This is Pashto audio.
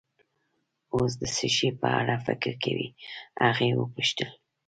اوس د څه شي په اړه فکر کوې؟ هغې وپوښتل.